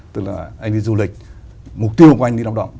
tức là anh đi du lịch mục tiêu của anh đi lao động